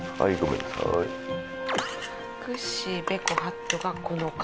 くっしーベコハットがこの缶。